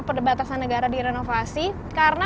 perbatasan negara direnovasi karena